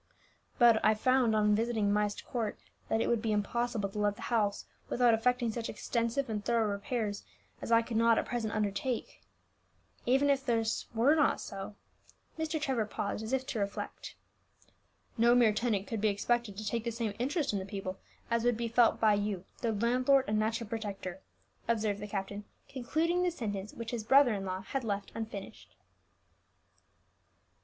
But I found, on visiting Myst Court, that it would be impossible to let the house without effecting such extensive and thorough repairs as I could not at present undertake. Even if this were not so " Mr. Trevor paused, as if to reflect. "No mere tenant could be expected to take the same interest in the people as would be felt by you, their landlord and natural protector," observed the captain, concluding the sentence which his brother in law had left unfinished.